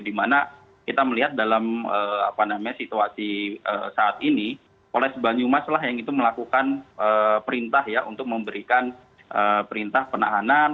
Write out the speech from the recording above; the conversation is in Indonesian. dimana kita melihat dalam situasi saat ini polres banyumas lah yang itu melakukan perintah ya untuk memberikan perintah penahanan